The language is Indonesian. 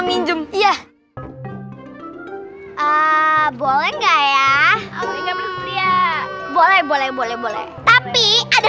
minjem ya boleh nggak ya boleh boleh boleh boleh boleh tapi ada